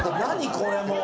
これもう。